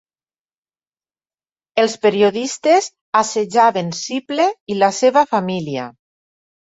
Els periodistes assetjaven Sipple i la seva família.